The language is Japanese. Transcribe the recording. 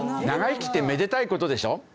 長生きってめでたい事でしょ？